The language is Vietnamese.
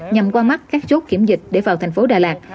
nhằm qua mắt các chốt kiểm dịch để vào thành phố đà lạt